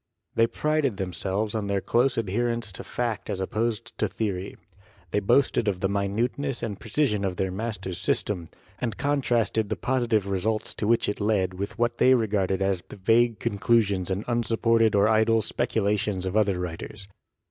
They prided themselves on their close adherence to fact as op posed to theory. They boasted of the minuteness and precision of their master's system, and contrasted the positive results to which it led with what they regarded as the vague conclusions and unsupported or idle speculations of other writers.